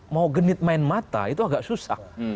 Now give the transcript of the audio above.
mau genit main mata itu agak susah